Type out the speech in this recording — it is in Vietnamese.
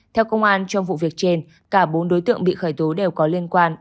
theo công an trong vụ việc trên cả bốn đối tượng bị khởi tố đều có liên quan